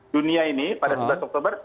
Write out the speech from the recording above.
dunia ini pada sebelas oktober